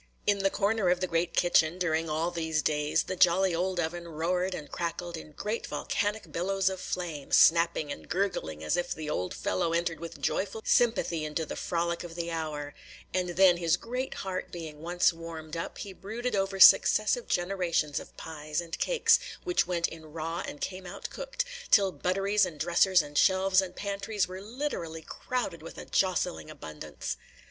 In the corner of the great kitchen, during all these days, the jolly old oven roared and crackled in great volcanic billows of flame, snapping and gurgling as if the old fellow entered with joyful sympathy into the frolic of the hour; and then, his great heart being once warmed up, he brooded over successive generations of pies and cakes, which went in raw and came out cooked, till butteries and dressers and shelves and pantries were literally crowded with a jostling abundance.